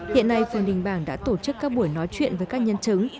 hiện nay phường đình bảng đã tổ chức các buổi nói chuyện với các nhân chứng